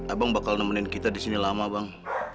abang bakal nemenin kita disini lama bang